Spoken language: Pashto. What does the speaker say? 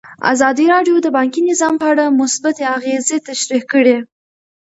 ازادي راډیو د بانکي نظام په اړه مثبت اغېزې تشریح کړي.